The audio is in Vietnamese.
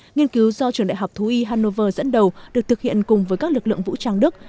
nghiên cứu do trường đại học thú y hannover dẫn đầu được thực hiện cùng với các lực lượng vũ trang đức